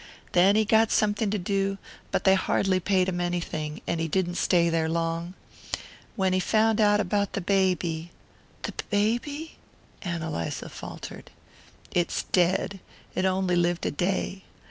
Then he got something to do, but they hardly paid him anything, and he didn't stay there long. When he found out about the baby " "The baby?" Ann Eliza faltered. "It's dead it only lived a day.